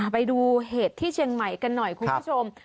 ไปดูเหตุที่เชียงใหม่กันหน่อยคุณผู้ชม